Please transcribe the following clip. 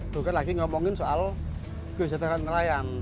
bukan lagi ngomongin soal kesejahteraan nelayan